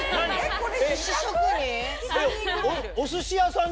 これ。